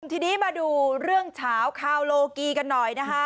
ทีนี้มาดูเรื่องเฉาคาวโลกีกันหน่อยนะคะ